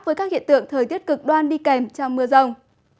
với các hiện tượng thời tiết cực đoan đi kèm trong mưa rông